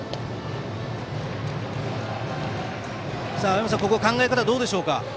青山さん、ここの考え方はどうでしょうか？